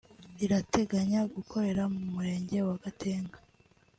rirateganya gukorera mu murenge wa Gatenga